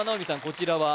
こちらは？